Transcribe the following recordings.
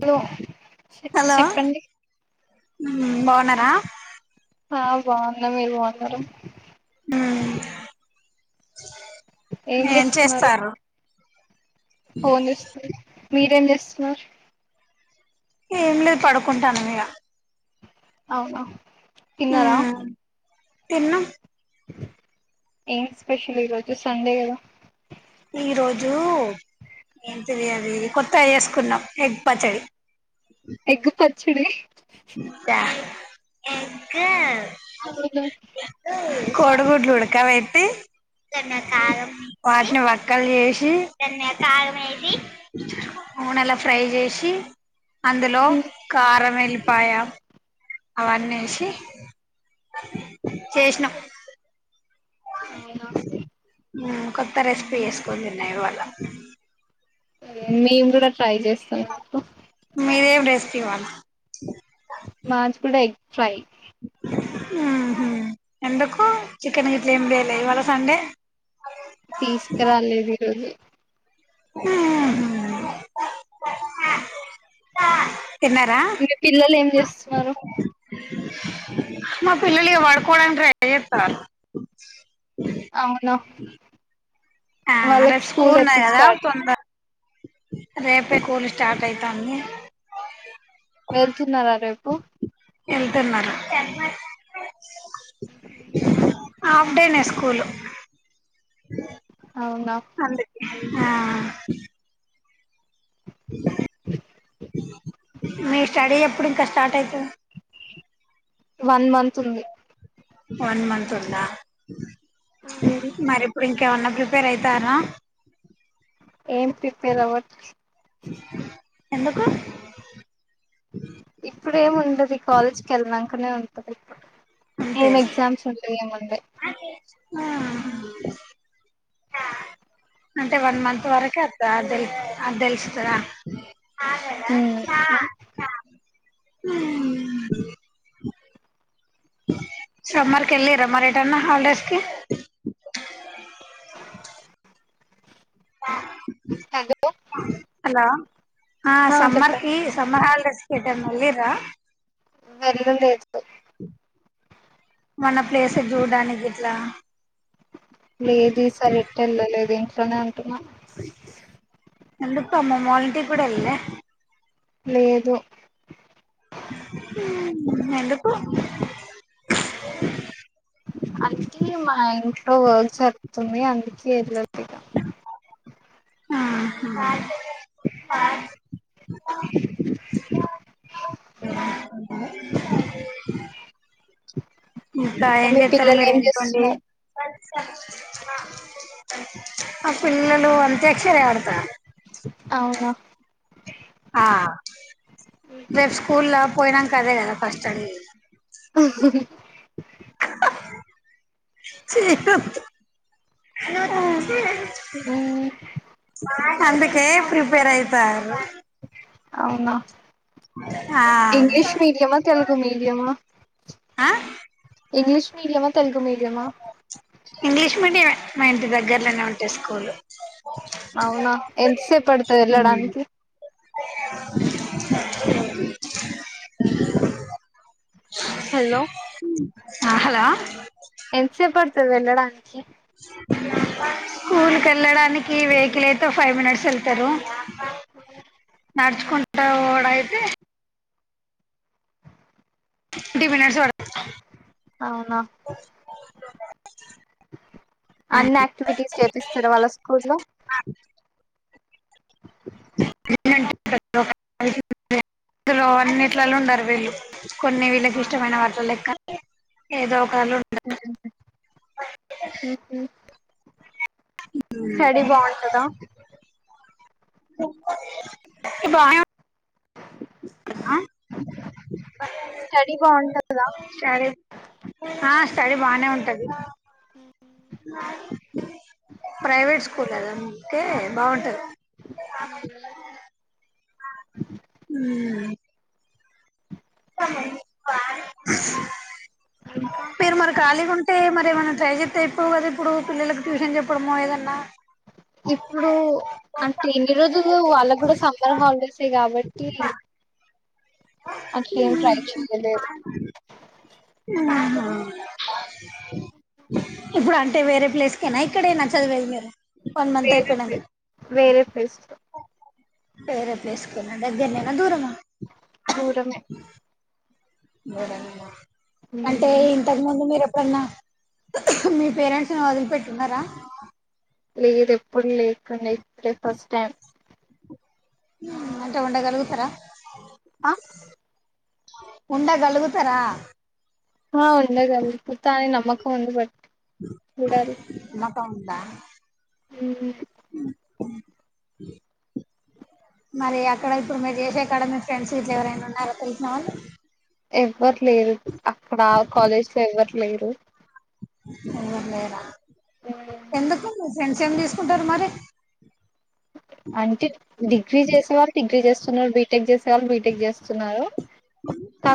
Bro చెప్పండి బాగున్నరా ఆ బాగున్న మీరు బాగున్నర ఏం చేస్తున్నారు చేస్తారు ఫోన్ చూస్తూ మీరేం చేస్తున్నారు ఏం లేదు పడుకుంటాను ఇగ అవునా తిన్నరా తిన్నాం ఏం స్పెషల్ ఈరోజు సండే గద ఈ రోజు ఏం తెలియది కొత్తగా చేసుకున్నాం ఎగ్ పచ్చడి ఎగ్ పచ్చడి ఎగ్ ఆ అవునా కోడు గుడ్లు ఉడక పెట్టి వాటిని వట్ మక్కలు చేసి, నూనెలా ఫ్రై చేసి అందులో కారం వెలి అవన్నీ ఏసి చేసినం అవునా ఉమ్ కొత్త రెసిపీ ఏసుకొని తిన్నా ఇవాళ్ళ మేము కూడ ట్రై చేస్తం ఇప్పుడు రెస్ట్ ఇవాళ్ళ మాంచి కూడా ఎగ్ ఫ్రై ఉహు ఎందుకు చికెన్ గిడ్లీ ఏం చేయాలె ఇవాళ సండే తీసుకరాలేదు ఈరోజు ఉహు తిన్నరా? మీ పిల్లలు ఏం చేస్తున్నారు మా పిల్లలు ఇగ వడుకోవడానికి ట్రై చేస్తాన్రు అవునా, ఆ వాళ్ళకి రేపు స్కూల్ ఉన్నది ఎప్పుడు కదా స్టార్ట్? తొందర రేపే స్కూల్ స్టార్ట్ అయితంది వెళ్తున్నారా రేపు? ఎళ్తున్నరు ఆఫ్డేనేె స్కూలు అవునా ఆ మీ స్టడీ ఎప్పుడు ఇంకా స్టార్ట్ ఐతది? వన్ మంత్ ఉంది వన్ మంత్ ఉందా? మరి ఇప్పుడు ఇంకేమన్నా ప్రిపేర్ అయితార్రా? ఏం ప్రిపేర్ అవ్వట్ ఎందుకు ఇప్పుడు ఏం ఉండది కాలేజ్కి ఎళ్ళినంక నే ఉంటది. ఏం అంతేనా ఎగ్జామ్స్ ఉంటై ఏం ఉండై ఆ అంటే వన్ మంత్ వరకే అత్త అ తెల్ అది తెల్స్తద ఆల ఉమ్ సమర్ కెళ్ళిరా మరి ఎట్ ఎటన్న హల్డేస్కి హలో హలో ఆ సమ్మర్కి సమ్మర్ హాలస్కి ఎటన్నా వెళ్ళిరా? వెళ్లలేదు మన ప్లేస్ చూడడానికి గిట్లా లేదు ఏ ఈసారి ఎట్టెల లేదు ఇంట్లోనే ఉంటున్నా. ఎందుకు అమ్మమ్మ వాళ్ళింటికి కూడా ఎల్లలే? లేదు ఎందుకు? అంటే మా ఇంట్లో వర్క్ జరుగుతుంది, అందుకే ఎళ్లలేదు ఆహ [inaudible] [inaudible] ఇకా ఇంకా ఏం మీ చేస్తారు పిల్లలు మీరు ఏం ఇంట్లో ఉండి చేస్తున్నారు ఆ పిల్లలు అంత్యక్షర ఆడతార అవునా ఆ రేపు స్కూల్ పోయినాక అదే కదా ఫస్ట్ [inaudible] చిన్ ఉమ్ అందుకే ప్రిపేర్ అయిత అవునా ఆ ఇంగ్లీష్ మీడియమా తెలుగు మీడియమా ఆ ఇంగ్లీష్ మీడియమ తెలుగు మీడియమా ఇంగ్లీష్ మీడియం మా ఇంటి దగ్గర్లోనే ఉంటాయి స్కూల్ అవునా ఎంతసేపు పడుతుంది వెళ్ళడానికి [inaudible] హలో ఆ హలో ఎంతసేపడుతుంది వెళ్ళడానికి [inaudible] స్కూల్కి వెళ్ళడానికి వెహికల్ అయితే ఫైవ్ మినిట్స్ వెళ్తారు నడుచుకుంటా ఓడు అయితే ట్వంటీ మినిట్స్ పడుతుంది అవునా అన్ని యాక్టివిటీస్ చేపిస్తారు మరి స్కూల్లో [unintelligible] ఇందులో అన్నిట్లలో ఉండారు వీళ్ళు కొన్ని వీళ్ళకి ఇష్టమైన వాటిల లెక్క ఏదో ఒక్కతిలో స్టడీ బాగుంటందా బానే ఉన్ ఆ స్టడీ బాగుంటది సరే ఆ స్టడీ బానే ఉంటంది ప్రైవేట్ పూలలకే ఓకే బాగుంటుంది ఆ ఉ ఇంకా మీరు మరి ఖాళీ ఉంటే మరి ఏమైనా ట్రై చేస్తే ఇప్పుడు కదా ఇప్పుడు పిల్లలకు ట్యూషన్ చెప్పడమో ఏదన్నా ఇప్పుడు అంటే ఎన్ని రోజులు వాళ్ళ కూడా సమ్మర్ హాలిడేస్ఏ కాబట్టి అట్లా ఏం ట్రై చేయలేదు ఆ ఇప్పుడు అంటే వేరే ప్లేస్కేయినా ఇక్కడైనా చదివేది మీరు వన్ మంత్ వేరే అయిపోయినాకా ప్లేస్ వేరే ప్లేస్ లో పేరే ప్లేసుకు దగ్గరనే దూరమా దూరమే అంటే ఇంతకు ముందు మీరు ఎ పుడన్నా మీ పేరెంట్స్ ను వదిలిపెట్టున్నరా లేదు ఎప్పుడు లేకుండే ఇదే ఫస్ట్ టైం అంటే ఉండగలుగుతరా అ ఉండగలుగుతరా ఆ ఉండగలుగతా అనే నమ్మకం ఉంది బట్ ఉండాలి తా ఉందా ఊహు మరి అక్కడ ఇప్పుడు మీరు జేసే కాడ మీ ఫ్రెండ్స్ ఇట్ల ఎవరైనా ఉన్నారా తెలిసిన వాళ్ళు ఎవ్వరు లేరు అక్కడ ఆ కాలేజ్ లో ఎవ్వరు లేరు ఎందుకు మీ ఫ్రెండ్స్ ఏం దీసుకుంటారు మరి అంటే డిగ్రీ చేసేవారు డిగ్రీ చేస్తున్నారు బీటెక్ చేస్ టమ్ బీటెక్ జేస్తున్నారు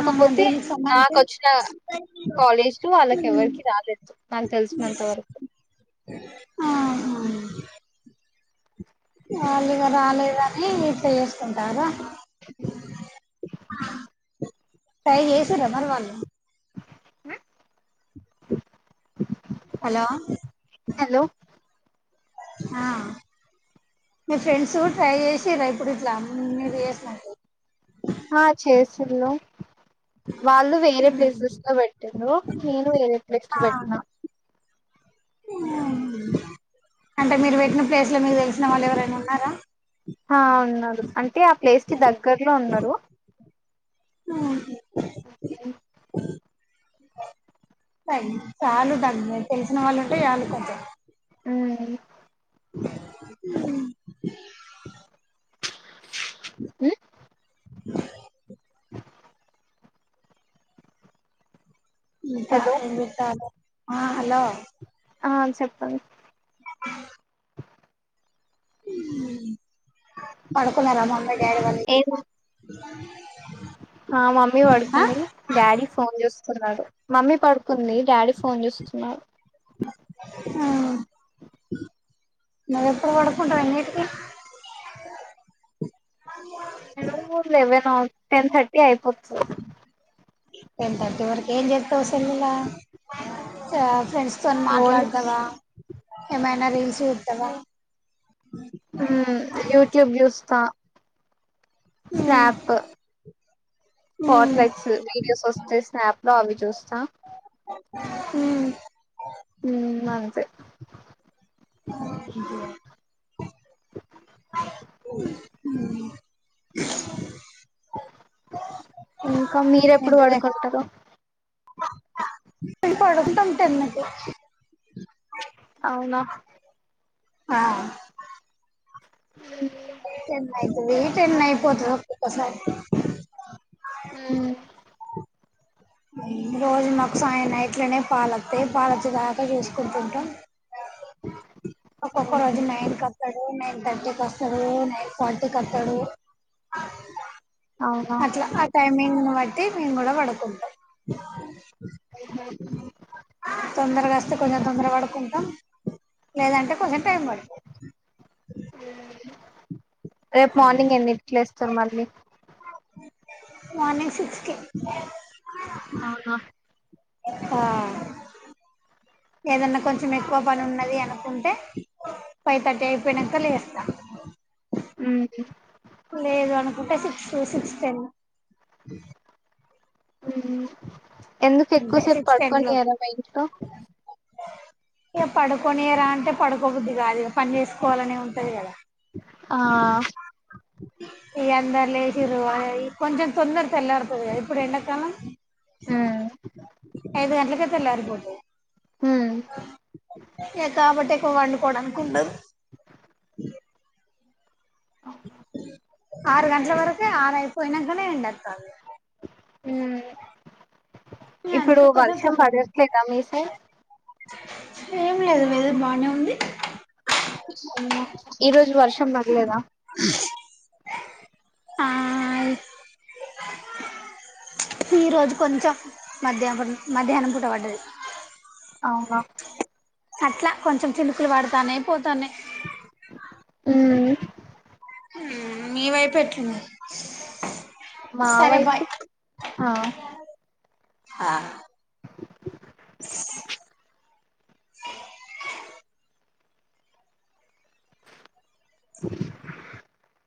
ఆ దీనికి సంబంధించి నాకు ఒచ్చిన కాలేజ్ లో ఆళ్ళకి ఉమ్, ఎవరికి రాలేదు మాన్కు తెలిసినంత వరకు ఆహా వాళ్ళు ఇగ రాలేదని ఇట్ట చేసుకుంటారా హ టై జేసిర్ర మరి వాల్లు ఆ హలో మీ ఫ్రెండ్స్ ట్రై చేసిర్రా ఇప్పుడు ఇట్లా ఉమ్ మీరు చేసినట్టు ఆ చేసిళ్ళు వాళ్ళు వేరే ప్లేసెస్ లో వెట్టిర్రు నేను వేరే ప్లేస్ ఆ ఉమ్. పెట్నా అంటే మీరు వెట్టిన ప్లేస్ లో మీకు తెలిసిన వాళ్ళు ఎవరైనా ఉన్నారా ఆ ఉన్నరు అంటే ఆ ప్లేస్ కి దగ్గర్లో ఉన్నరు ఊహు చాలు దాన్ని తెలిసిన వాళ్ళు ఉంటే ఆలు కొంచెం ఊ ఊ ఉ హలో ఆ హలో ఆ చెప్పండి పడుకున్నరా మామ్మి డాడి వాళ్ళు ఏం [unintelligible] ఆ మమ్మి ఆ వడుకుంది డాడీ ఫోన్ జూస్ ఉన్నాడు మమ్మీ పడుకుంది డాడీ ఫోన్ జూస్తున్నారు ఆ నువ్ ఎప్పుడు వడకుంటవ్ ఎన్నిటికి నేను లెవెన్ ఆన్ టెన్ థర్టీ అయిపోచ్చ టెన్ థర్టీ వరకు ఏం చెప్తావుసలు ఇంగ సా ఫ్రెంస్ సన్ ఫోన్ మాట్లాడతావా, ఏమైనా రీల్స్ చేత్తవా? ఉ యూట్యూబ్ చూస్తా ఉమ్ స్నాప్, ఉమ్ ఫట్లెట్స్ వీడియోస్ వస్తే స్నాప్ లావి చూస్తా మ్ ఉ అంతే [unintelligible] ఇంకా మీరెప్పుడు పడుకుంటారు? మేం పడుకుంటాం టెన్ కి అవునా ఆ చెన్న్నాయి పోయి టెన్ ఆయి పోతది ఓకసారి అ రోజు మాకు సాయ్ నైట్లనే పాలత్తయ్ పాలోచ్చే దాకా చేసుకుంటుంటాం. ఒకొక్క రోజు నైన్ కి వస్తాడు. ఉమ్ నైన్ థర్టీ కి వస్తాడు, ఉ నైన్ ఫార్టీ కి వత్తాడు. అవునా అట్లా ఆ టైమింగ్ ను బట్టి మేము కూడా పడుకుంటాం. ఉహ తొందరగా వస్తే కొంచెం తొందర పడుకుంటాం. లేదంటే కొంచెం టైం పడుతది. అ రేపు మార్నింగ్ ఎన్నింటికి లేస్తావ్ మళ్ళీ? మార్నింగ్ సిక్స్ కి అవున ఇంకా ఏదన్నా కొంచెం ఎక్కువ పని ఉన్నది అనుకుంటే ఫైవ్ థర్టీ అయిపోనాక లేస్తా అ ఉహు లేదు అనుకుంటే సిక్స్ సిక్స్ టెన్ మ్ ఎందుకు అంతే ఎక్కువసేపు సిక్స్ టెన్ లోపు పడుకోనియరు మీ ఇంట్లో? ఇక పడుకోనీయరా అంటే పడుకోబుద్ది కాదు ఇగ పని చేసుకోవాలని ఉంటది కదా. ఆ ఇగ అందరు లేచిరు వారై కొంచెం తొందర తెల్లారుతుందిగా ఇప్పుడు ఎండకాలం [inaudible] ఐదు గంటలకే తెల్లారి పోతుంది య కాబటే వండుకోవడానికి ఉండదు. అవునా ఆరు గంటల వరకె ఆరుయిపోయినంకానే వండేతాంది. మ్ ఇప్పుడు అందుకే కొంచెం వర్షం తొందర పడట్లేదా మీ సై ఏం లేదు వేదర్ బానే ఉంది. వదిన ఈరోజు వర్షం పర్లేదా? ఆయ్ ఈరోజు కొంచెం మద్యాబన్ మధ్యాహ్నం పూట పడ్డది. అవునా అట్లా కొంచెం చినుకులు పడుతన్నయి పోతాన్నయి ఉం ఉం మీ వైపు ఎట్లు ఉంది మా వైపు ఆ ఆ [inaudible]